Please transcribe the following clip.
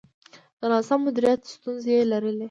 د ناسم مدیریت ستونزې یې لرلې.